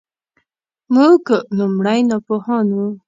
موږ لومړی ناپوهان وو .